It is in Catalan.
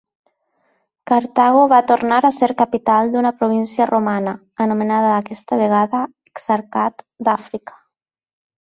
Cartago va tornar a ser capital d'una província romana, anomenada aquesta vegada Exarcat d'Àfrica.